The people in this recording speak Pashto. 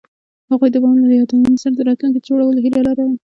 هغوی د بام له یادونو سره راتلونکی جوړولو هیله لرله.